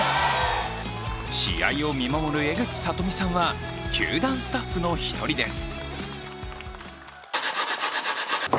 試合を見守る江口さとみさんは球団スタッフの１人です。